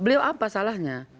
beliau apa salahnya